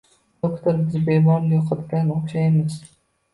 - Doktor, biz bemorni yo'qotganga o'xshaymiz!